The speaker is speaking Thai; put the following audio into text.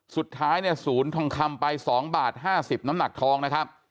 สุดท้ายเนี่ยศูนย์ทองคำไป๒บาท๕๐น้ำหนักทองนะครับ